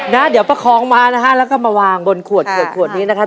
นะเดี๋ยวประคองมานะฮะแล้วก็มาวางบนขวดขวดขวดนี้นะครับ